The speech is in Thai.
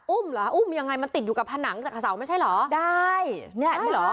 อุ้มหรออุ้มยังไงติดอยู่กับผนังสักศาสตร์ไม่ใช่เหรอ